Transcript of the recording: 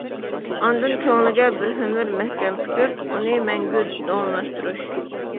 ئاندىن كۆڭلىگە بىر ئۆمۈر مەھكەم پۈكۈپ، ئۇنى مەڭگۈ داۋاملاشتۇرۇش.